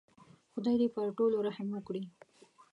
خدای دې پر ټولو رحم وکړي.